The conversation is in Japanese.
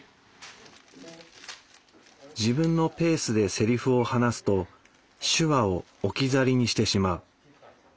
自分のペースでセリフを話すと手話を置き去りにしてしまう。